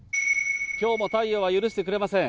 きょうも太陽は許してくれません。